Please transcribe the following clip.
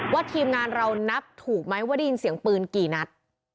ทีมงานเรานับถูกไหมว่าได้ยินเสียงปืนกี่นัด